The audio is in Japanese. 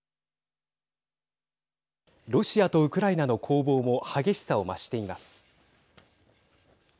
ロシアとウクライナの攻防も激しさを増しています。